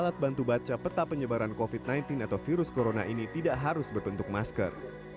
alat bantu baca peta penyebaran covid sembilan belas atau virus corona ini tidak harus berbentuk masker